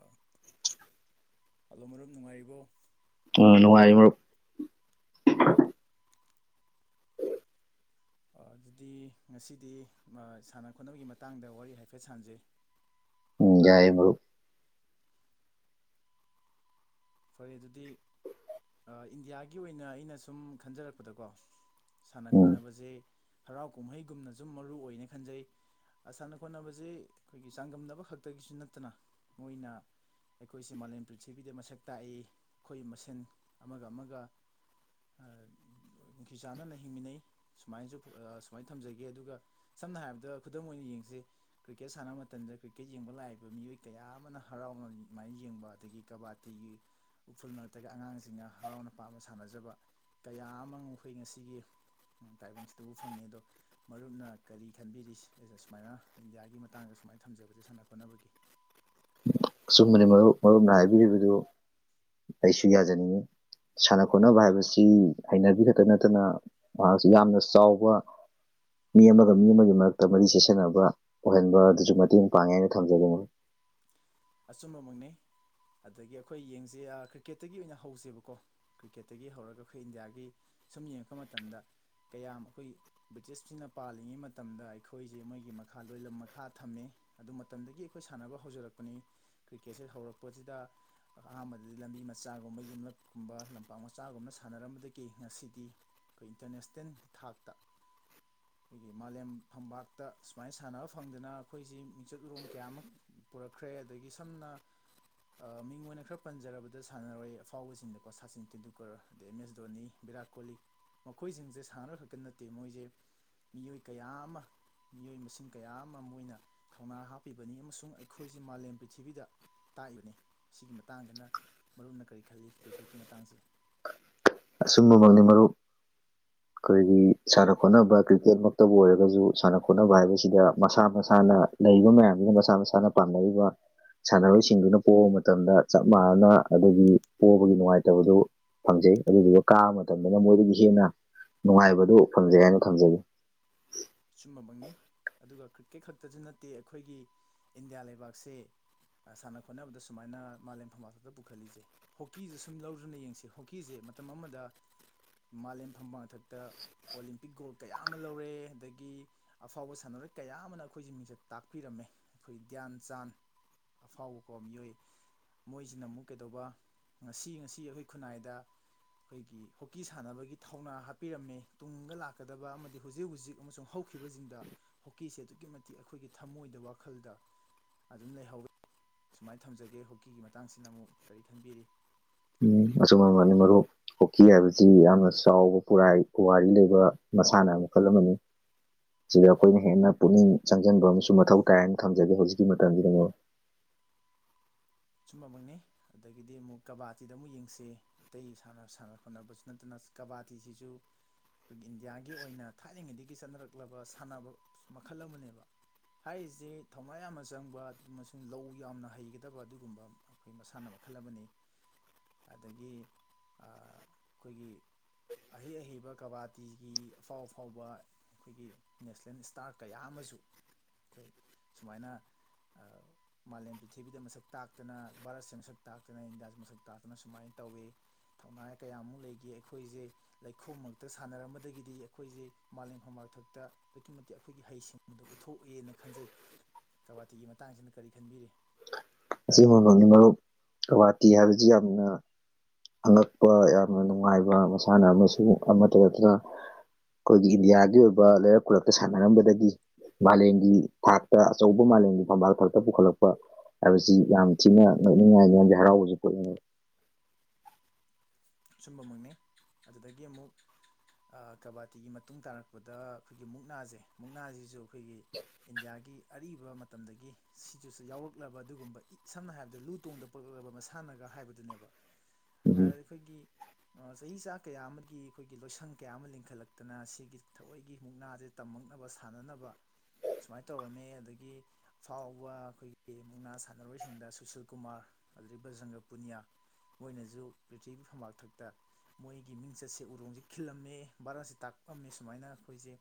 ꯑ ꯍꯂꯣ ꯃꯔꯨꯞ ꯅꯨꯡꯉꯥꯏꯔꯤꯕꯣ? ꯑ ꯅꯨꯡꯉꯥꯏꯔꯤ ꯃꯔꯨꯞ꯫ ꯑ ꯑꯗꯨꯗꯤ ꯉꯁꯤꯗꯤ ꯁꯥꯟꯅ ꯈꯣꯠꯅꯕꯒꯤ ꯃꯇꯥꯡꯗ ꯋꯥꯔꯤ ꯍꯥꯏꯐꯦꯠ ꯁꯥꯟꯖꯦ ꯑꯨꯝ ꯌꯥꯏꯌꯦ ꯃꯔꯨꯞ ꯐꯔꯦ ꯑꯗꯨꯗꯤ ꯑꯥ ꯏꯟꯗꯤꯌꯥꯒꯤ ꯑꯣꯏꯅ ꯑꯩꯅ ꯁꯨꯝ ꯈꯟꯖꯔꯛꯄꯗꯀꯣ ꯁꯥꯟꯅ ꯎꯝ ꯈꯣꯠꯅꯕꯖꯦ ꯍꯔꯥꯎ ꯀꯨꯝꯍꯩꯒꯨꯝꯅ ꯁꯨꯝ ꯃꯔꯨꯑꯣꯏꯅꯦ ꯈꯟꯖꯩ ꯑ ꯁꯥꯟꯅ ꯈꯣꯠꯅꯕꯁꯦ ꯑꯩꯈꯣꯏꯒꯤ ꯆꯥꯡꯗꯝꯅꯕ ꯈꯛꯇꯒꯤꯁꯨ ꯅꯠꯇꯅ ꯃꯣꯏꯅ ꯑꯩꯈꯣꯏꯁꯦ ꯃꯥꯂꯦꯝ ꯄ꯭ꯔꯤꯊꯤꯕꯤꯗ ꯃꯁꯛ ꯇꯥꯛꯏ ꯑꯩꯈꯣꯏ ꯃꯁꯦꯟ ꯑꯃꯒ ꯑꯃꯒ ꯅꯨꯡꯁꯤ ꯆꯥꯟꯅꯅ ꯍꯤꯡꯃꯤꯟꯅꯩ ꯁꯨꯃꯥꯏꯁꯨ ꯑ ꯁꯨꯃꯥꯏꯅ ꯊꯝꯖꯒꯦ ꯑꯗꯨꯒ ꯁꯝꯅ ꯍꯥꯏꯔꯕꯗ ꯈꯨꯗꯝ ꯑꯣꯏꯅ ꯌꯦꯡꯁꯤ ꯀ꯭ꯔꯤꯀꯦꯠ ꯁꯥꯟꯅ ꯃꯇꯝꯗ ꯀ꯭ꯔꯤꯀꯦꯠ ꯌꯦꯡꯕ ꯂꯥꯏꯏꯕ ꯃꯤꯑꯣꯏ ꯀꯌꯥ ꯑꯃꯅ ꯍꯔꯥꯎꯅ ꯑꯃꯥꯏꯅ ꯌꯦꯡꯕ ꯑꯗꯒꯤ ꯀꯕꯥꯠ ꯇꯤꯒꯤ ꯎꯐꯨꯜ ꯃꯔꯛꯇꯒ ꯑꯉꯥꯡꯁꯤꯡꯅ ꯍꯔꯥꯎꯅ ꯄꯥꯝꯅ ꯁꯥꯟꯅꯖꯕ ꯀꯌꯥ ꯑꯃ ꯉꯣꯑꯈꯣꯏ ꯉꯁꯤꯒꯤ ꯇꯥꯏꯕꯪꯁꯤꯗꯕꯨ ꯐꯪꯉꯦ꯫ ꯑꯗꯣ ꯃꯔꯨꯞꯅ ꯀꯔꯤ ꯈꯟꯕꯤꯔꯤ ꯁꯨꯃꯥꯏꯅ ꯏꯟꯗꯤꯌꯥꯒꯤ ꯃꯇꯥꯡꯗ ꯁꯨꯃꯥꯏꯅ ꯊꯝꯖꯕꯁꯦ ꯁꯥꯟꯅ ꯈꯣꯠꯅꯕꯒꯤ ꯑꯆꯨꯝꯕꯅꯤ ꯃꯔꯨꯞ ꯃꯔꯨꯞꯅ ꯍꯥꯏꯕꯤꯔꯤꯕꯗꯨ ꯑꯩꯁꯨ ꯌꯥꯖꯅꯤꯡꯉꯤ ꯁꯥꯟꯅ ꯈꯣꯠꯅꯕ ꯍꯥꯏꯕꯁꯤ ꯍꯩꯅꯕꯤ ꯈꯛꯇꯥ ꯅꯠꯇꯅ ꯃꯍꯥꯛꯁꯤ ꯌꯥꯝꯅ ꯆꯥꯎꯕ ꯃꯤ ꯑꯃꯒ ꯃꯤ ꯑꯃꯒꯤ ꯃꯔꯛꯇ ꯃꯔꯤ ꯆꯦꯁꯟꯅꯕ ꯑꯣꯏꯍꯟꯕ ꯑꯗꯨꯁꯨ ꯃꯇꯦꯡ ꯄꯥꯡꯉꯦ ꯍꯥꯏꯅ ꯊꯝꯖꯅꯤꯡꯉꯤ꯫ ꯑꯆꯨꯝꯕꯃꯛꯅꯤ ꯑꯗꯒꯤ ꯑꯩꯈꯣꯏ ꯌꯦꯡꯁꯦ ꯑ ꯀ꯭ꯔꯤꯛꯀꯦꯠꯇꯒꯤ ꯑꯣꯏꯅ ꯍꯧꯁꯦꯕꯀꯣ ꯀ꯭ꯔꯤꯛꯀꯦꯠꯇꯒꯤ ꯍꯧꯔꯒ ꯑꯩꯈꯣꯏ ꯏꯟꯗꯤꯌꯥꯒꯤ ꯁꯨꯝ ꯌꯦꯡꯉꯛꯄ ꯃꯇꯝꯗ ꯀꯌꯥꯝ ꯑꯩꯈꯣꯏ ꯕ꯭ꯔꯤꯇꯤꯁꯐꯤꯡꯅ ꯄꯥꯜꯂꯤꯉꯩ ꯃꯇꯝꯗ ꯑꯩꯈꯣꯏꯒꯤ ꯃꯣꯏꯒꯤ ꯃꯈꯥ ꯂꯣꯏꯂꯝ ꯃꯈꯥ ꯊꯝꯃꯦ ꯑꯗꯨ ꯃꯇꯝꯗꯒꯤ ꯑꯩꯈꯣꯏ ꯁꯥꯟꯅꯕ ꯍꯧꯖꯔꯛꯄꯅꯤ꯫ ꯀ꯭ꯔꯤꯀꯦꯠꯁꯦ ꯍꯧꯔꯛꯄꯁꯤꯗ ꯑꯍꯥꯟꯕꯗꯗꯤ ꯂꯝꯕꯤ ꯃꯆꯥꯒꯨꯝꯕ ꯌꯨꯝꯂꯛꯀꯨꯝꯕ ꯂꯝꯄꯥꯛ ꯃꯆꯥꯒꯨꯝꯅ ꯁꯥꯟꯅꯔꯝꯕꯗꯒꯤ ꯉꯁꯤꯗꯤ ꯑꯩꯈꯣꯏ ꯏꯟꯇꯔꯅꯦꯁꯅꯦꯜꯒꯤ ꯊꯥꯛꯇ ꯑꯩꯈꯣꯏꯒꯤ ꯃꯥꯂꯦꯝ ꯐꯝꯕꯥꯛꯇ ꯁꯨꯃꯥꯏꯅ ꯁꯥꯟꯅꯕ ꯐꯪꯗꯅ ꯑꯩꯈꯣꯏꯁꯤ ꯃꯤꯡꯆꯠ ꯎꯨꯔꯣꯡ ꯀꯌꯥ ꯑꯃ ꯄꯨꯔꯛꯈ꯭ꯔꯦ꯫ ꯑꯗꯒꯤ ꯁꯝꯅ ꯃꯤꯡ ꯑꯣꯏꯅ ꯈꯔ ꯄꯟꯖꯔꯕꯗ ꯁꯥꯟꯅꯔꯣꯏ ꯑꯐꯥꯎꯕꯁꯤꯡꯗꯀꯣ ꯁꯥꯆꯤꯟ ꯇꯦꯟꯗꯨꯜꯀꯔ ꯑꯗꯩ ꯑꯦꯝ ꯑꯦꯁ ꯗꯣꯅꯤ ꯕꯤꯔꯥꯠ ꯀꯣꯂꯤ ꯃꯈꯣꯏꯁꯤꯡꯁꯦ ꯁꯥꯟꯅꯔꯣꯏ ꯈꯛꯇ ꯅꯠꯇꯦ ꯃꯣꯏꯁꯦ ꯃꯤꯑꯣꯏ ꯀꯌꯥ ꯑꯃ ꯃꯤꯑꯣꯏ ꯃꯁꯤꯡ ꯀꯌꯥ ꯑꯃ ꯃꯣꯏꯅ ꯊꯧꯅꯥ ꯍꯥꯞꯄꯤꯕꯅꯤ ꯑꯃꯁꯨꯡ ꯑꯩꯈꯣꯏꯁꯦ ꯃꯥꯂꯦꯝ ꯄ꯭ꯔꯤꯊꯤꯕꯤꯗ ꯇꯥꯛꯏꯕꯅꯤ ꯁꯤꯒꯤ ꯃꯇꯥꯡꯗꯅ ꯃꯔꯨꯞꯅ ꯀꯔꯤ ꯈꯜꯂꯤ ꯀ꯭ꯔꯤꯛꯀꯦꯠꯀꯤ ꯃꯇꯥꯡꯁꯤ ꯑꯆꯨꯝꯕꯃꯛꯅꯤ ꯃꯔꯨꯞ ꯑꯩꯈꯣꯏꯒꯤ ꯁꯥꯟꯅ ꯈꯣꯠꯅꯕ ꯀ꯭ꯔꯤꯛꯀꯦꯠꯃꯛꯇꯕꯨ ꯑꯣꯏꯔꯒꯁꯨ ꯁꯥꯟꯅ ꯈꯣꯠꯅꯕ ꯍꯥꯏꯕꯁꯤꯗ ꯃꯁꯥ ꯃꯁꯥꯅ ꯂꯩꯔꯤꯕ ꯃꯌꯥꯝꯁꯤꯅ ꯃꯁꯥ ꯃꯁꯥꯅ ꯄꯥꯝꯅꯔꯤꯕ ꯁꯥꯟꯅꯔꯣꯏꯁꯤꯡꯗꯨꯅ ꯄꯣꯕ ꯃꯇꯝꯗ ꯆꯞ ꯃꯥꯟꯅꯅ ꯑꯗꯒꯤ ꯄꯣꯕꯒꯤ ꯅꯨꯡꯉꯥꯏꯇꯕꯗꯨ ꯐꯪꯖꯩ꯫ ꯑꯗꯨꯗꯨꯒ ꯀꯥꯕ ꯃꯇꯝꯗꯅ ꯃꯣꯏꯗꯒꯤ ꯍꯦꯟꯅ ꯅꯨꯡꯉꯥꯏꯕꯗꯣ ꯐꯪꯖꯩ ꯍꯥꯏꯅ ꯊꯝꯖꯒꯦ꯫ ꯁꯨꯝꯕꯃꯛꯅꯤ ꯑꯗꯨꯒ ꯀ꯭ꯔꯤꯛꯀꯦꯠ ꯈꯛꯇꯁꯨ ꯅꯠꯇꯦ ꯑꯩꯈꯣꯏꯒꯤ ꯏꯟꯗꯤꯌꯥ ꯂꯩꯕꯥꯛꯁꯦ ꯁꯥꯟꯅ ꯈꯣꯠꯅꯕꯗ ꯁꯨꯃꯥꯏꯅ ꯃꯥꯂꯦꯝ ꯐꯝꯕꯥꯜꯊꯛꯇ ꯄꯨꯈꯠꯂꯤꯁꯦ꯫ꯍꯣꯛꯀꯤꯁꯨ ꯁꯨꯝ ꯂꯧꯗꯅ ꯌꯦꯡꯁꯤ ꯍꯣꯛꯀꯤꯁꯦ ꯃꯇꯝ ꯑꯃꯗ ꯃꯥꯂꯦꯝ ꯐꯝꯕꯥꯜꯊꯛꯇ ꯑꯣꯂꯦꯝꯄꯤꯛ ꯒꯣꯜ ꯀꯌꯥ ꯑꯃ ꯂꯧꯔꯦ ꯑꯗꯒꯤ ꯒꯤ ꯑꯐꯥꯎꯕ ꯁꯥꯟꯅꯔꯣꯏ ꯀꯌꯥ ꯑꯃꯅ ꯑꯩꯈꯣꯏꯖꯤ ꯃꯤꯡꯆꯠ ꯇꯥꯛꯄꯤꯔꯝꯃꯦ ꯑꯩꯈꯣꯏ ꯒ꯭ꯌꯥꯟ ꯆꯥꯟ ꯑꯐꯥꯎꯕꯀꯣ ꯃꯤꯑꯣꯏ ꯃꯣꯏꯁꯤꯅ ꯑꯃꯨꯛ ꯀꯩꯗꯧꯕ ꯉꯁꯤ ꯉꯁꯤ ꯑꯩꯈꯣꯏ ꯈꯨꯟꯅꯥꯏꯗ ꯑꯩꯈꯣꯏꯒꯤ ꯍꯣꯛꯀꯤ ꯁꯥꯟꯅꯕꯒꯤ ꯊꯧꯅꯥ ꯍꯥꯞꯄꯤꯔꯝꯃꯦ ꯇꯨꯡꯗ ꯂꯥꯛꯀꯗꯕ ꯑꯃꯗꯤ ꯍꯧꯖꯤꯛ ꯍꯧꯖꯤꯛ ꯑꯃꯁꯨꯡ ꯍꯧꯈꯤꯕꯁꯤꯡꯗ ꯍꯣꯛꯀꯤꯁꯦ ꯑꯗꯨꯛꯀꯤ ꯃꯇꯤꯛ ꯑꯩꯈꯣꯏꯒꯤ ꯊꯃꯣꯏꯗ ꯋꯥꯈꯜꯗ ꯑꯗꯨꯝ ꯂꯩꯍꯧꯋꯤ ꯁꯨꯃꯥꯏꯅ ꯊꯝꯖꯒꯦ ꯍꯣꯛꯀꯤꯒꯤ ꯃꯇꯥꯡꯁꯤꯅ ꯑꯃꯨꯛ ꯀꯔꯤ ꯈꯟꯕꯤꯔꯤ꯫ ꯎ ꯑꯆꯨꯝꯕꯃꯕꯅꯤ ꯃꯔꯨꯞ ꯍꯣꯛꯀꯤ ꯍꯥꯏꯕꯁꯤ ꯌꯥꯝꯅ ꯆꯥꯎꯕ ꯄꯨꯔꯥꯏ ꯄꯨꯋꯥꯔꯤ ꯂꯩꯕ ꯃꯁꯥꯟꯅ ꯃꯈꯜ ꯑꯃꯅꯤ ꯁꯤꯗ ꯑꯩꯈꯣꯏꯅ ꯍꯦꯟꯅ ꯄꯨꯛꯅꯤꯡ ꯆꯪꯖꯟꯕ ꯑꯃꯁꯨ ꯃꯊꯧ ꯇꯥꯏꯅ ꯊꯝꯖꯒꯦ ꯍꯧꯖꯤꯛꯀꯤ ꯃꯇꯝꯁꯤꯗ ꯑꯃ ꯁꯨꯝꯕꯃꯛꯅꯤ ꯑꯗꯒꯤꯗꯤ ꯑꯃꯨꯛ ꯀꯕꯥꯇꯤꯗ ꯑꯃꯨꯛ ꯌꯦꯡꯁꯦ ꯑꯇꯩ ꯁꯥꯟꯅ ꯁꯥꯟꯅ ꯈꯣꯠꯅꯕꯁꯨ ꯅꯠꯇꯅ ꯀꯕꯥꯇꯤꯁꯤꯁꯨ ꯑꯩꯈꯣꯏꯒꯤ ꯏꯟꯗꯤꯌꯥꯒꯤ ꯑꯣꯏꯅ ꯊꯥꯏꯅꯉꯩꯗꯒꯤ ꯆꯠꯅꯔꯛꯂꯕ ꯁꯥꯟꯅꯕ ꯃꯈꯜ ꯑꯃꯅꯦꯕ ꯍꯥꯏꯔꯤꯖꯦ ꯊꯧꯅꯥ ꯌꯥꯝꯅ ꯆꯪꯕ ꯑꯃꯁꯨꯡ ꯂꯧ ꯌꯥꯝꯅ ꯍꯩꯒꯗꯕ ꯑꯗꯨꯒꯨꯝ ꯒꯨꯝꯕ ꯑꯈꯣꯏ ꯃꯁꯥꯟꯅ ꯃꯈꯜ ꯑꯃꯅꯤ꯫ꯑꯗꯒꯤ ꯑꯥ ꯑꯩꯈꯣꯏꯒꯤ ꯑꯍꯩ ꯑꯍꯩꯕ ꯀꯕꯥꯇꯤꯒꯤ ꯑꯐꯥꯎ ꯑꯐꯥꯎꯕ ꯑꯩꯈꯣꯏꯒꯤ ꯅꯦꯁꯅꯦꯜ ꯏꯁꯇꯥꯔ ꯀꯌꯥ ꯑꯃꯁꯨ ꯑꯩꯈꯣꯏ ꯁꯨꯃꯥꯏꯅ ꯑ ꯃꯥꯂꯦꯝ ꯄ꯭ꯔꯤꯊꯤꯕꯤꯗ ꯃꯁꯛ ꯇꯥꯛꯇꯅ ꯚꯥꯔꯠꯁꯦ ꯃꯁꯛ ꯇꯥꯛꯇꯅ ꯏꯟꯗꯤꯌꯥꯁꯦ ꯃꯁꯛ ꯇꯥꯛꯇꯅ ꯁꯨꯃꯥꯏꯅ ꯇꯧꯋꯦ ꯊꯧꯅꯥꯏ ꯀꯌꯥꯃꯨ ꯂꯩꯒꯤ ꯑꯩꯈꯣꯏꯁꯦ ꯂꯩꯈꯣꯝ ꯃꯔꯛꯇ ꯁꯥꯟꯅꯔꯝꯕꯗꯒꯤꯗꯤ ꯑꯩꯈꯣꯏꯁꯦ ꯃꯥꯂꯦꯝ ꯐꯝꯕꯥꯛꯇꯛꯇ ꯑꯗꯨꯛꯀꯤ ꯃꯇꯤꯛ ꯑꯩꯈꯣꯏꯒꯤ ꯍꯩꯁꯤꯡꯕꯗꯨ ꯎꯠꯊꯣꯛꯑꯦꯅ ꯈꯟꯖꯩ ꯀꯕꯥꯇꯤꯒꯤ ꯃꯇꯥꯡꯁꯤꯅ ꯀꯔꯤ ꯈꯟꯕꯤꯔꯤ ꯑꯁꯦꯕꯃꯛꯅꯤ ꯃꯔꯨꯞ ꯒꯧꯍꯥꯇꯤ ꯍꯥꯏꯕꯁꯤ ꯌꯥꯝꯅ ꯑꯉꯛꯄ ꯌꯥꯝꯅ ꯅꯨꯡꯉꯥꯏꯕ ꯃꯁꯥꯟꯅ ꯑꯃꯁꯨ ꯑꯃꯠꯇ ꯑꯣꯏꯗꯨꯅ ꯑꯩꯈꯣꯏꯒꯤ ꯏꯟꯗꯤꯌꯥꯒꯤ ꯑꯣꯏꯕ ꯂꯩꯔꯛ ꯈꯨꯂꯛꯇ ꯁꯥꯟꯅꯔꯝꯕꯗꯒꯤ ꯃꯥꯂꯦꯝꯒꯤ ꯊꯥꯛꯇ ꯑꯆꯧꯕ ꯃꯥꯂꯦꯝꯒꯤ ꯐꯝꯕꯥꯜ ꯈꯛꯇ ꯄꯨꯈꯠꯂꯛꯄ ꯍꯥꯏꯕꯁꯤ ꯌꯥꯝ ꯊꯤꯅ ꯅꯣꯛꯅꯤꯡꯉꯥꯏꯅꯤꯌꯥꯝ ꯍꯔꯥꯎꯕꯁꯨ ꯄꯨꯣꯛꯅꯤꯡꯏ ꯁꯨꯝꯕꯃꯛꯅꯤ ꯑꯗꯨꯗꯒꯤ ꯑꯃꯨꯛ ꯑ ꯀꯕꯥꯇꯤꯒꯤ ꯃꯇꯨꯡ ꯇꯥꯔꯛꯄꯗ ꯑꯩꯈꯣꯏꯒꯤ ꯃꯨꯛꯅꯥꯁꯦ ꯃꯨꯛꯅꯥꯁꯤꯁꯨ ꯑꯩꯈꯣꯏꯒꯤ ꯏꯟꯗꯤꯌꯥꯒꯤ ꯑꯔꯤꯕ ꯃꯇꯝꯗꯒꯤ ꯁꯤꯖꯁꯨ ꯌꯥꯎꯔꯛꯂꯕ ꯑꯗꯨꯒꯨꯝꯕ ꯁꯝꯅ ꯍꯥꯏꯔꯕꯗ ꯂꯨ ꯇꯣꯡꯗ ꯄꯛꯂꯛꯂꯕ ꯃꯁꯥꯟꯅꯒ ꯍꯥꯏꯕꯗꯨꯅꯦꯕ ꯑꯥ ꯎꯝ ꯑꯩꯈꯣꯏꯒꯤ ꯆꯍꯤꯆꯥ ꯀꯌꯥ ꯑꯃꯒꯤ ꯑꯩꯈꯣꯏꯒꯤ ꯂꯣꯏꯁꯪ ꯀꯌꯥ ꯑꯃ ꯂꯤꯡꯈꯠꯂꯛꯇꯅ ꯁꯤꯒꯤ ꯊꯑꯣꯏꯒꯤ ꯃꯨꯛꯅꯥꯁꯦ ꯇꯝꯃꯛꯅꯕ ꯁꯥꯟꯅꯅꯕ ꯁꯨꯃꯥꯏꯅ ꯇꯧꯔꯝꯃꯦ ꯑꯗꯒꯤ ꯑꯐꯥꯎꯕ ꯑꯩꯈꯣꯏꯒꯤ ꯃꯨꯛꯅꯥ ꯁꯥꯟꯅꯔꯣꯏꯁꯤꯡꯗ ꯁꯨꯁꯤꯜ ꯀꯨꯃꯥꯔ ꯑꯗꯨꯗꯒꯤ ꯕꯖꯖꯟꯒ꯭ꯔ ꯄꯨꯅꯤꯌꯥ ꯃꯣꯏꯅꯁꯨ ꯄ꯭ꯔꯤꯊꯤꯕꯤ ꯐꯝꯕꯥꯛꯊꯛ ꯇ ꯃꯣꯏꯒꯤ ꯃꯤꯡꯆꯠꯁꯦ ꯎꯔꯣꯡꯁꯦ ꯈꯤꯜꯂꯝꯃꯦ ꯚꯥꯔꯠꯁꯦ ꯇꯥꯛꯑꯝꯃꯦ ꯁꯨꯃꯥꯏꯅ ꯑꯩꯈꯣꯏꯁꯦ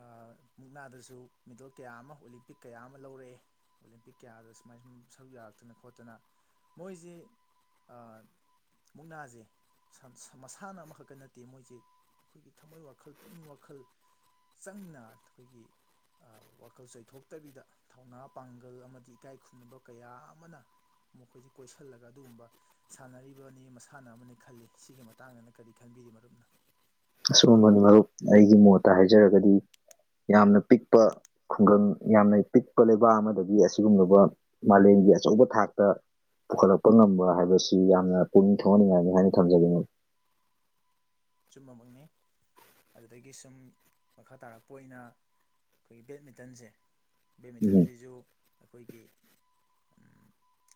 ꯑꯥ ꯃꯨꯛꯅꯥꯗꯁꯨ ꯃꯦꯗꯜ ꯀꯌꯥ ꯑꯃ ꯑꯣꯂꯦꯝꯄꯤꯛ ꯀꯌꯥ ꯑꯃ ꯂꯧꯔꯛꯑꯦ ꯑꯣꯂꯦꯝꯄꯤꯛ ꯀꯌꯥꯗ ꯁꯨꯃꯥꯏ ꯁꯨꯝ ꯁꯔꯨꯛ ꯌꯥꯔꯛꯇꯅ ꯈꯣꯠꯇꯅ ꯃꯣꯏꯁꯦ ꯑꯥ ꯃꯨꯛꯅꯥꯁꯦ ꯃꯁꯥꯟꯅ ꯑꯃꯈꯛꯇ ꯅꯠꯇꯦ ꯃꯣꯏꯁꯦ ꯑꯩꯈꯣꯏꯒꯤ ꯊꯝꯃꯣꯏ ꯋꯥꯈꯜ ꯄꯨꯛꯅꯤꯡ ꯋꯥꯈꯜ ꯆꯪꯅ ꯑꯩꯈꯣꯏꯒꯤ ꯋꯥꯈꯜ ꯆꯣꯏꯊꯣꯛꯇꯕꯤꯗ ꯊꯧꯅꯥ ꯄꯥꯡꯒꯜ ꯑꯃꯗꯤ ꯏꯀꯥꯏ ꯈꯨꯝꯅꯕ ꯀꯌꯥ ꯑꯃꯅ ꯃꯈꯣꯏꯁꯦ ꯀꯣꯏꯁꯤꯜꯂꯒ ꯑꯗꯨꯒꯨꯝꯕ ꯁꯥꯟꯅꯔꯤꯕꯅꯤ ꯃꯁꯥꯟꯅ ꯑꯃꯅꯤ ꯈꯜꯂꯤ ꯁꯤꯒꯤ ꯃꯇꯥꯡꯗꯅ ꯀꯔꯤ ꯈꯟꯕꯤꯔꯤ ꯃꯔꯨꯞꯅ ꯑꯁꯨꯝꯕꯅꯤ ꯃꯔꯨꯞ ꯑꯩꯒꯤ ꯃꯣꯠꯇ ꯍꯥꯏꯖꯔꯒꯗꯤ ꯌꯥꯝꯅ ꯄꯤꯛꯄ ꯈꯨꯡꯒꯪ ꯌꯥꯝꯅ ꯄꯤꯛꯄ ꯂꯩꯕꯥꯛ ꯑꯃꯗꯒꯤ ꯑꯁꯤꯒꯨꯝꯂꯕ ꯃꯥꯂꯦꯝꯒꯤ ꯑꯆꯧꯕ ꯊꯥꯛꯇ ꯄꯨꯈꯠꯂꯛꯄ ꯉꯝꯕ ꯍꯥꯏꯕꯁꯤ ꯌꯥꯝꯅ ꯄꯨꯛꯅꯤꯡ ꯊꯧꯒꯠꯅꯤꯡꯉꯥꯏꯅꯤ ꯍꯥꯏꯅ ꯊꯝꯖꯅꯤꯡꯏ ꯆꯨꯝꯕꯃꯛꯅꯤ ꯑꯗꯨꯗꯒꯤ ꯁꯨꯝ ꯃꯈꯥ ꯇꯥꯔꯛꯄ ꯑꯣꯏꯅ ꯑꯩꯈꯣꯏꯒꯤ ꯕꯦꯠꯃꯤꯟꯇꯟꯁꯦ ꯎꯝ ꯕꯦꯃꯤꯇꯟꯖꯤꯁꯨꯨ ꯑꯩꯈꯣꯏꯒꯤ ꯎꯝ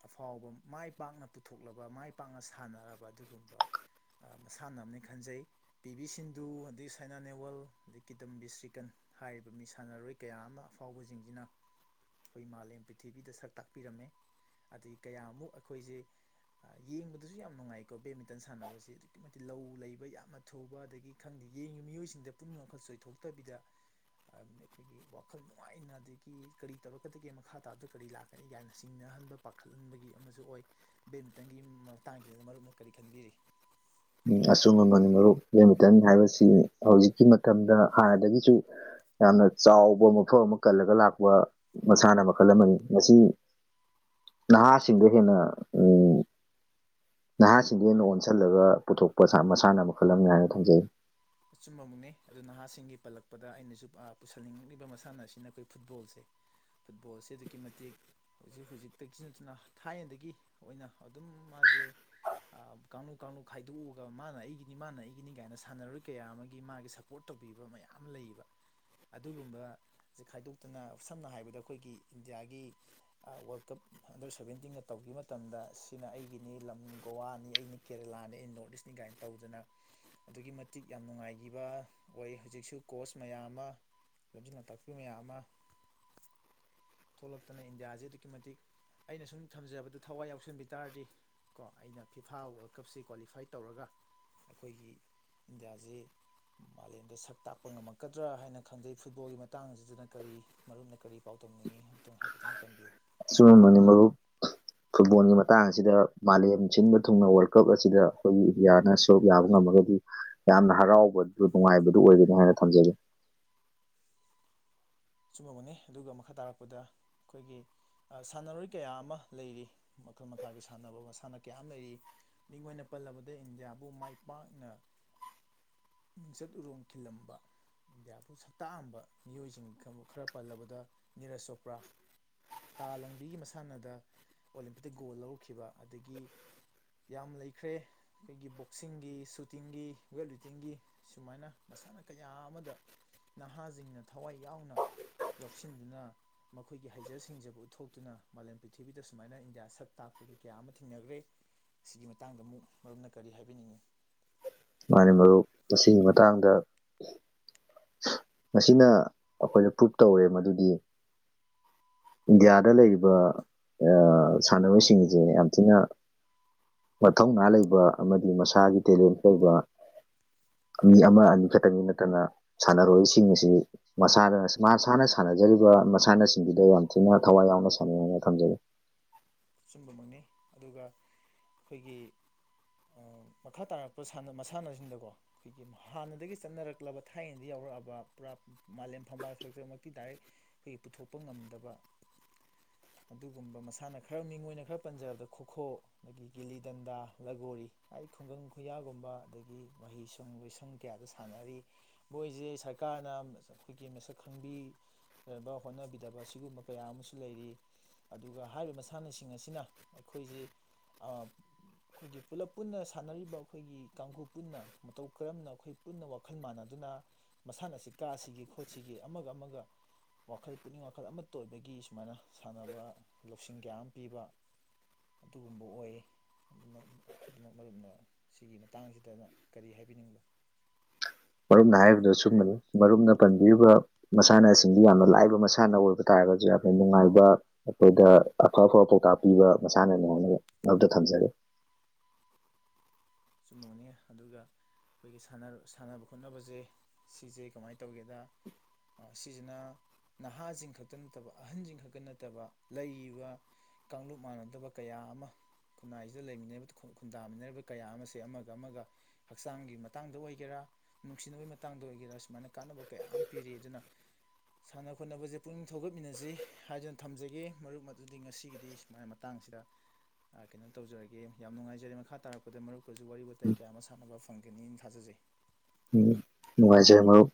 ꯑꯐꯥꯎꯕ ꯃꯥꯏ ꯄꯥꯛꯅ ꯄꯨꯊꯣꯛꯂꯕ ꯃꯥꯏ ꯄꯥꯛꯅ ꯁꯥꯟꯅꯔꯕ ꯑꯗꯨꯒꯨꯝꯂꯕ ꯃꯁꯥꯟꯅ ꯑꯃꯅꯤ ꯈꯟꯖꯩ ꯄꯤ ꯚꯕꯤ ꯁꯤꯟꯙꯨ ꯑꯗꯒꯤ ꯁꯥꯏꯅꯥ ꯅꯦꯋꯥꯜ ꯑꯗꯩ ꯀꯤꯇꯝ ꯕꯤ ꯁ꯭ꯔꯤꯀꯟ ꯍꯥꯏꯔꯤꯕ ꯃꯤ ꯁꯥꯟꯅꯔꯣꯏ ꯀꯌꯥ ꯑꯃ ꯑꯐꯥꯎꯕꯁꯤꯡꯁꯤꯅ ꯑꯩꯈꯣꯏ ꯃꯥꯂꯦꯝ ꯄ꯭ꯔꯤꯊꯤꯕꯤꯗ ꯁꯛ ꯇꯥꯛꯄꯤꯔꯝꯃꯦ ꯑꯗꯒꯤ ꯀꯌꯥꯃꯨꯛ ꯑꯩꯈꯣꯏꯁꯦ ꯌꯦꯡꯕꯗꯁꯨ ꯌꯥꯝ ꯅꯨꯡꯉꯥꯏꯀꯣ ꯕꯦꯠꯃꯤꯟꯇꯟ ꯁꯥꯟꯅꯕꯁꯤ ꯑꯗꯨꯛꯀꯤ ꯃꯇꯤꯛ ꯂꯧ ꯂꯩꯕ ꯌꯥꯝꯅ ꯊꯨꯕ ꯑꯗꯒꯤ ꯈꯪꯗꯦ ꯌꯦꯡꯉꯤꯕ ꯃꯤꯑꯣꯏꯁꯤꯡꯗ ꯄꯨꯅꯤꯡ ꯋꯥꯈꯜ ꯆꯣꯏꯊꯣꯛꯇꯕꯤꯗ ꯑꯩꯈꯣꯏꯒꯤ ꯋꯥꯈꯜ ꯅꯨꯡꯉꯥꯏꯅ ꯑꯗꯒꯤ ꯀꯔꯤ ꯇꯧꯔꯛꯀꯗꯒꯦ ꯃꯈꯥ ꯇꯥꯕꯗ ꯀꯔꯤ ꯂꯥꯛꯀꯅꯤ ꯌꯥꯝꯅ ꯁꯤꯡꯅꯍꯟꯕ ꯄꯥꯈꯠꯍꯟꯕꯒꯤ ꯑꯃꯁꯨ ꯑꯣꯏ ꯕꯦꯠꯃꯤꯟꯇꯟꯒꯤ ꯃꯇꯥꯡꯁꯤꯗ ꯃꯔꯨꯞꯅ ꯀꯔꯤ ꯈꯟꯕꯤꯔꯤ ꯎ ꯑꯆꯨꯝ ꯉ ꯉꯅꯤ ꯃꯔꯨꯞ ꯕꯦꯠꯃꯤꯇꯟ ꯍꯥꯏꯕꯁꯤ ꯍꯧꯖꯤꯛꯀꯤ ꯃꯇꯝꯗ ꯍꯥꯟꯅꯗꯒꯤꯁꯨ ꯌꯥꯝꯅ ꯆꯥꯎꯕ ꯃꯐꯝ ꯑꯃ ꯀꯜꯂꯒ ꯂꯥꯛꯄ ꯃꯁꯥꯟꯅ ꯃꯈꯜ ꯑꯃꯅꯤ ꯃꯁꯤ ꯅꯍꯥꯁꯤꯡꯗ ꯍꯦꯟꯅ ꯅꯍꯥꯁꯤꯡꯗ ꯍꯦꯟꯅ ꯑꯣꯟꯁꯤꯜꯂꯒ ꯄꯨꯊꯣꯛ ꯃꯁꯥ ꯃꯁꯥꯟꯅ ꯃꯈꯜꯂꯝꯅꯤ ꯍꯥꯏꯅ ꯊꯝꯖꯩ ꯑꯆꯨꯝꯕ ꯃꯛꯅꯦ ꯑꯗꯨ ꯅꯍꯥꯁꯤꯡꯒꯤ ꯄꯜꯂꯛꯄꯗ ꯑꯩꯅꯁꯨ ꯄꯨꯁꯟꯅꯤꯡꯉꯛꯂꯤꯕ ꯃꯁꯥꯟꯅ ꯑꯁꯤꯅ ꯑꯩꯈꯣꯏ ꯐꯨꯠꯕꯣꯜꯁꯦ ꯐꯨꯠꯕꯣꯜꯁꯦ ꯑꯗꯨꯛꯀꯤ ꯃꯇꯤꯛ ꯍꯧꯖꯤꯛ ꯍꯧꯖꯤꯛꯇꯒꯤ ꯅꯠꯇꯅ ꯊꯥꯏꯅꯗꯒꯤ ꯑꯣꯏꯅ ꯑꯗꯨꯝ ꯃꯥꯁꯦ ꯀꯥꯡꯂꯨꯞ ꯀꯥꯡꯂꯨꯞ ꯈꯥꯏꯗꯣꯛꯎꯑꯒ ꯃꯥꯅ ꯑꯩꯒꯤꯅꯤ ꯃꯥꯅ ꯑꯩꯒꯤꯅꯤ ꯀꯥꯏꯅ ꯁꯥꯟꯅꯔꯣꯏ ꯀꯌꯥ ꯑꯃꯒꯤ ꯃꯥꯒꯤ ꯁꯞꯄꯣꯔꯠ ꯇꯧꯕꯤꯕ ꯃꯌꯥꯝ ꯑꯃ ꯂꯩꯌꯦꯕ ꯑꯗꯨꯒꯨꯝꯕ ꯁꯦ ꯈꯥꯏꯗꯣꯛꯇꯅ ꯁꯝꯅ ꯍꯥꯏꯔꯕꯗ ꯑꯩꯈꯣꯏꯒꯤ ꯏꯟꯗꯤꯌꯥꯒꯤ ꯋꯥꯔꯜ ꯀꯞ ꯑꯟꯗꯔ ꯁꯕꯦꯟꯇꯤꯟꯒ ꯇꯧꯈꯤꯕ ꯃꯇꯝꯗ ꯁꯤꯅ ꯑꯩꯒꯤꯅꯤ ꯂꯝ ꯒꯣꯋꯥꯅꯤ ꯑꯩꯅ ꯀꯦꯔꯦꯂꯥꯅꯤ ꯑꯩꯅ ꯅꯣꯔꯠ ꯏꯁꯅꯤ ꯀꯥꯏꯅ ꯇꯧꯗꯅ ꯑꯗꯨꯒꯤ ꯃꯇꯤꯛ ꯌꯥꯝ ꯅꯨꯡꯉꯥꯏꯈꯤꯕ ꯑꯣꯏ ꯍꯧꯖꯤꯛꯁꯨ ꯀꯣꯁ ꯃꯌꯥꯝ ꯑꯃ ꯂꯝꯖꯤꯡ ꯇꯥꯛꯄꯤ ꯃꯌꯥꯝ ꯑꯃ ꯊꯣꯛꯂꯛꯇꯅ ꯏꯟꯗꯤꯌꯥꯁꯦ ꯑꯗꯨꯛꯀꯤ ꯃꯇꯤꯛ ꯑꯩꯅ ꯁꯨꯝ ꯊꯝꯖꯕꯗ ꯊꯋꯥꯏ ꯌꯥꯎꯁꯟꯕꯤ ꯇꯥꯔꯗꯤ ꯀꯣ ꯑꯩꯅ ꯐꯤꯐꯥ ꯋꯥꯔꯜ ꯀꯞꯁꯤ ꯀ꯭ꯋꯥꯂꯤꯐꯥꯏ ꯇꯧꯔꯒ ꯑꯩꯈꯣꯏꯒꯤ ꯏꯟꯗꯤꯌꯥꯁꯦ ꯃꯥꯂꯦꯝꯗ ꯁꯛ ꯇꯥꯛꯄ ꯉꯝꯃꯛꯀꯗ꯭ꯔꯥ ꯍꯥꯏꯅ ꯈꯟꯖꯩ ꯐꯨꯠꯕꯣꯜꯒꯤ ꯃꯇꯥꯡꯁꯤꯗꯅ ꯀꯔꯤ ꯃꯔꯨꯝꯅ ꯀꯔꯤ ꯄꯥꯎ ꯇꯝꯅꯤꯡꯉꯤ ꯇꯪ ꯍꯥꯏꯐꯦꯠꯇꯪ ꯄꯟꯕꯤꯌꯨ ꯑꯆꯨꯝꯕꯅꯤ ꯃꯔꯨꯞ ꯐꯨꯠꯕꯣꯜꯒꯤ ꯃꯇꯥꯡ ꯑꯁꯤꯗ ꯃꯥꯂꯦꯝ ꯁꯤꯟꯕ ꯊꯨꯡꯅ ꯋꯥꯔꯜ ꯀꯞ ꯑꯁꯤꯗ ꯑꯩꯈꯣꯏꯒꯤ ꯏꯟꯗꯤꯌꯥꯅ ꯁꯔꯨꯛ ꯌꯥꯕ ꯉꯝꯃꯒꯗꯤ ꯌꯥꯝꯅ ꯍꯔꯥꯎꯕꯗꯨ ꯅꯨꯡꯉꯥꯏꯕꯗꯨ ꯑꯣꯏꯒꯅꯤ ꯍꯥꯏꯅ ꯊꯝꯖꯒꯦ ꯆꯨꯝꯕꯃꯛꯅꯤ ꯑꯗꯨꯒ ꯃꯈꯥ ꯇꯥꯔꯛꯄꯗ ꯑꯩꯈꯣꯏꯒꯤ ꯁꯥꯟꯅꯔꯣꯏ ꯀꯌꯥ ꯑꯃ ꯂꯩꯔꯤ ꯃꯈꯜ ꯃꯈꯥꯒꯤ ꯁꯥꯟꯅꯕ ꯃꯁꯥꯟꯅ ꯀꯌꯥ ꯑꯃ ꯂꯩꯔꯤ ꯃꯤꯡ ꯑꯣꯏꯅ ꯄꯜꯂꯕꯗ ꯏꯟꯗꯤꯌꯥꯕꯨ ꯃꯥꯏ ꯄꯥꯛꯅ ꯃꯤꯡꯆꯠ ꯎꯔꯣꯡ ꯈꯤꯜꯂꯝꯕ ꯏꯟꯗꯤꯌꯥꯕꯨ ꯁꯛꯇꯥꯛꯑꯝꯕ ꯃꯤꯑꯣꯏꯁꯤꯡ ꯈ ꯈꯔ ꯄꯜꯂꯕꯗ ꯅꯤꯔꯖ ꯆꯣꯄ꯭ꯔꯥ ꯇꯥ ꯂꯪꯕꯤꯒꯤ ꯃꯁꯥꯟꯅꯗ ꯑꯣꯂꯦꯝꯄꯤꯛꯇ ꯒꯣꯜ ꯂꯧꯔꯛꯈꯤꯕ ꯑꯗꯒꯤ ꯌꯥꯝ ꯂꯩꯈ꯭ꯔꯦ ꯑꯩꯈꯣꯏꯒꯤ ꯕꯣꯛꯁꯤꯡꯒꯤ ꯁꯨꯇꯤꯡꯒꯤ ꯋꯦꯠ ꯂꯤꯐꯇꯤꯡꯒꯤ ꯁꯨꯃꯥꯏꯅ ꯃꯁꯥꯟꯅ ꯀꯌꯥ ꯑꯃꯗ ꯅꯍꯥꯁꯤꯡꯅ ꯊꯋꯥꯏ ꯌꯥꯎꯅ ꯌꯥꯎꯁꯤꯟꯗꯨꯅ ꯃꯈꯣꯏꯒꯤ ꯍꯩꯖ ꯁꯤꯡꯖꯕꯨ ꯎꯠꯊꯣꯛꯇꯨꯅ ꯃꯥꯂꯦꯝ ꯄ꯭ꯔꯤꯊꯤꯕꯤꯗ ꯁꯨꯃꯥꯏꯅ ꯏꯟꯗꯤꯌꯥ ꯁꯛ ꯇꯥꯛꯄꯒꯤ ꯀꯌꯥ ꯑꯃ ꯊꯦꯡꯅꯈ꯭ꯔꯦ ꯁꯤꯒꯤ ꯃꯇꯥꯡꯗ ꯑꯃꯨꯛ ꯃꯔꯨꯞꯅ ꯀꯔꯤ ꯍꯥꯏꯕꯤꯅꯤꯡꯉꯤ ꯃꯥꯅꯦ ꯃꯔꯨꯞ ꯃꯁꯤꯒꯤ ꯃꯇꯥꯡꯗ ꯃꯁꯤꯅ ꯑꯩꯈꯣꯏꯅ ꯄ꯭ꯔꯨꯞ ꯇꯧꯋꯦ ꯃꯗꯨꯗꯤ ꯏꯟꯗꯤꯌꯥꯗ ꯂꯩꯔꯤꯕ ꯁꯥꯟꯅꯔꯣꯏ ꯁꯤꯡꯁꯦ ꯌꯥꯝ ꯊꯤꯅ ꯃꯊꯧꯅꯥ ꯂꯩꯕ ꯑꯃꯗꯤ ꯃꯁꯥꯒꯤ ꯇꯦꯂꯦꯟ ꯂꯩꯕ ꯃꯤ ꯑꯃ ꯑꯅꯤ ꯈꯛꯇꯪꯒꯤ ꯅꯠꯇꯅ ꯁꯥꯟꯅꯔꯣꯏꯁꯤꯡ ꯁꯤ ꯃꯁꯥꯅ ꯃꯁꯥꯅ ꯁꯥꯟꯅꯖꯔꯤꯕ ꯃꯁꯥꯟꯅꯁꯤꯡꯗꯨꯗ ꯌꯥꯝ ꯊꯤꯅ ꯊꯋꯥꯏ ꯌꯥꯎꯅ ꯁꯥꯟꯅꯩ ꯍꯥꯏꯅ ꯊꯝꯖꯒꯦ ꯕꯃꯛꯅꯤ ꯑꯗꯨꯒ ꯑꯩꯈꯣꯏꯒꯤ ꯃꯈꯥ ꯇꯥꯔꯛꯄ ꯃꯁꯥꯟꯅꯁꯤꯡꯗꯀꯣ ꯑꯩꯈꯣꯏꯒꯤ ꯍꯥꯟꯅꯗꯒꯤ ꯆꯠꯅꯔꯛꯂꯕ ꯊꯥꯏꯅꯗꯒꯤ ꯌꯥꯎꯔꯛꯂꯕ ꯄꯨꯔꯥ ꯃꯥꯂꯦꯝ ꯐꯝꯕꯥꯜ ꯊꯛꯇ ꯃꯛꯇꯤ ꯗꯥꯏꯔꯦꯛ ꯑꯩꯈꯣꯏꯒꯤ ꯄꯨꯊꯣꯛꯄ ꯉꯝꯗꯕ ꯑꯗꯨꯒꯨꯝꯕ ꯃꯁꯥꯟꯅ ꯈꯔ ꯃꯤꯡ ꯑꯣꯏꯅ ꯈꯔ ꯄꯟꯖꯔꯕꯗ ꯈꯣꯈꯣ ꯗꯒꯤ ꯒꯤꯂꯤ ꯗꯟꯗꯥ ꯂꯒꯣꯔꯤ ꯍꯥꯏ ꯈꯨꯡꯒꯪ ꯈꯨꯌꯥꯒꯨꯝꯕ ꯑꯗꯒꯤ ꯃꯍꯩꯁꯪ ꯂꯣꯏꯁꯪ ꯀꯌꯥꯗ ꯁꯥꯟꯅꯔꯤ ꯃꯣꯏꯁꯦ ꯁꯔꯀꯥꯔꯅ ꯑꯩꯈꯣꯏꯒꯤ ꯃꯁꯛ ꯈꯪꯕꯤꯅꯕ ꯍꯣꯠꯅꯕꯤꯗꯕ ꯁꯤꯒꯨꯝꯕ ꯀꯌꯥ ꯑꯃꯁꯨ ꯂꯩꯔꯤ ꯑꯗꯨꯒ ꯍꯥꯏꯔꯤꯕ ꯃꯁ ꯃꯁꯥꯟꯅꯁꯤꯡ ꯑꯁꯤꯅ ꯑꯩꯈꯣꯏꯁꯤ ꯑꯩꯈꯣꯏꯒꯤ ꯄꯨꯂꯞ ꯄꯨꯟꯅ ꯁꯥꯟꯅꯔꯤꯕ ꯑꯩꯈꯣꯏꯒꯤ ꯀꯥꯡꯕꯨ ꯄꯨꯟꯅ ꯃꯇꯧ ꯀꯔꯝꯅ ꯑꯩꯈꯣꯏ ꯄꯨꯟꯅ ꯋꯥꯈꯜ ꯃꯥꯟꯅꯗꯨꯅ ꯃꯁꯥꯟꯅ ꯑꯁꯤ ꯀꯥꯁꯤꯒꯦ ꯈꯣꯠꯁꯤꯒꯦ ꯑꯃꯒ ꯑꯃꯒ ꯋꯥꯈꯜ ꯄꯨꯛꯅꯤꯡ ꯋꯥꯈꯜ ꯑꯃꯠꯇ ꯑꯣꯏꯕꯒꯤ ꯁꯨꯃꯥꯏꯅ ꯁꯥꯟꯅꯕ ꯂꯧꯁꯤ ꯁꯤꯡ ꯀꯌꯥ ꯑꯃ ꯄꯤꯕ ꯑꯗꯨꯒꯨꯝꯕ ꯑꯣꯏꯌꯦ ꯑꯗꯨꯃꯛ ꯃꯔꯨꯞꯅ ꯁꯤꯒꯤ ꯃꯇꯥꯡꯁꯤꯗꯅ ꯀꯔꯤ ꯍꯥꯏꯕꯤꯅꯤꯡꯕ ꯃꯔꯨꯞꯅ ꯍꯥꯏꯔꯤꯕꯗꯣ ꯑꯆꯨꯝꯕꯅꯤ ꯃꯔꯨꯞꯅ ꯄꯟꯕꯤꯔꯤꯕ ꯃꯁꯥꯟꯅꯁꯤꯡꯗꯤ ꯌꯥꯝꯅ ꯂꯥꯏꯕ ꯃꯁꯥꯟꯅ ꯑꯣꯏꯕ ꯇꯥꯔꯒꯁꯨ ꯌꯥꯝꯅ ꯅꯨꯡꯉꯥꯏꯕ ꯑꯩꯈꯣꯏꯗ ꯑꯐ ꯑꯐꯕ ꯄꯥꯎꯇꯥꯛ ꯄꯤꯕ ꯃꯁꯥꯟꯅꯅꯤ ꯍꯥꯏꯅ ꯊꯝꯖꯒꯦ ꯁꯨꯝꯕꯅꯤ ꯑꯗꯨꯒ ꯑꯩꯈꯣꯏꯒꯤ ꯁꯥꯟꯅꯕ ꯈꯣꯠꯅꯕꯁꯦ ꯁꯤꯁꯦ ꯀꯃꯥꯏꯅ ꯇꯧꯒꯦꯗ ꯁꯤꯁꯤꯅ ꯅꯍꯥꯁꯤꯡ ꯈꯛꯇ ꯅꯠꯇꯕ ꯑꯍꯟꯁꯤꯡ ꯈꯛꯇ ꯅꯠꯇꯕ ꯂꯩꯔꯤꯕ ꯀꯥꯡꯂꯨꯞ ꯃꯥꯟꯅꯗꯕ ꯀꯌꯥ ꯑꯃ ꯈꯨꯟꯅꯥꯏꯁꯤꯗ ꯂꯩꯃꯤꯟꯅꯔꯤꯕ ꯈꯨꯟꯗꯥꯃꯤꯟꯅꯔꯤꯕ ꯀꯌꯥ ꯑꯃ ꯁꯦ ꯑꯃꯒ ꯑꯃꯒ ꯍꯛꯆꯥꯡꯒꯤ ꯃꯇꯥꯡꯗ ꯑꯣꯏꯒꯦꯔꯥ ꯅꯨꯡꯁꯤꯅꯕꯒꯤ ꯃꯇꯥꯡꯗ ꯑꯣꯏꯒꯦꯔꯥ ꯁꯨꯃꯥꯏꯅ ꯀꯥꯟꯅꯕ ꯀꯌꯥ ꯑꯃ ꯄꯤꯔꯤ ꯑꯗꯨꯅ ꯁꯥꯟꯅ ꯈꯣꯠꯅꯕꯁꯦ ꯄꯨꯛꯅꯤꯡ ꯊꯧꯒꯠꯃꯤꯟꯅꯁꯤꯍꯥꯏꯗꯨꯅ ꯊꯝꯖꯒꯦ ꯃꯔꯨꯞ ꯑꯗꯨꯗꯤ ꯉꯁꯤꯒꯤꯗꯤ ꯁꯨꯃꯥꯏꯅ ꯃꯇꯥꯡꯁꯤꯗ ꯀꯩꯅꯣ ꯇꯧꯖꯔꯒꯦ ꯌꯥꯝ ꯅꯨꯡꯉꯥꯏꯖꯔꯦ ꯃꯈꯥ ꯇꯥꯔꯛꯄꯗ ꯃꯔꯨꯞ ꯑꯩꯈꯣꯏꯁꯨ ꯋꯥꯔꯤ ꯋꯥꯇꯥꯏ ꯀꯌꯥ ꯑꯃ ꯁꯥꯟꯅꯕ ꯐꯪꯒꯅꯤꯅ ꯊꯥꯖꯖꯩ ꯎꯝ ꯅꯨꯡꯉꯥꯏꯖꯔꯦ ꯃꯔꯨꯞ